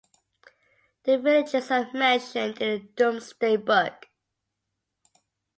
The villages are mentioned in the Domesday Book.